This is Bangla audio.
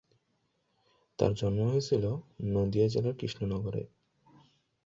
তার জন্ম হয়েছিল নদিয়া জেলার কৃষ্ণনগরে।